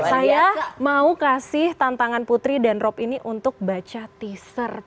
saya mau kasih tantangan putri dan rob ini untuk baca teaser